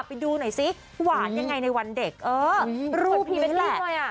ไปดูหน่อยซิหวานยังไงในวันเด็กเออรูดพิมพ์แหละ